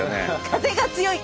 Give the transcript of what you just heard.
風が強い。